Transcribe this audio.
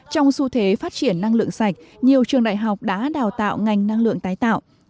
trong xu thế phát triển năng lượng sạch nhiều trường đại học đã đào tạo ngành năng lượng tái tạo